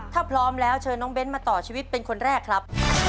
ถ้าพร้อมแล้วเชิญน้องเบ้นมาต่อชีวิตเป็นคนแรกครับ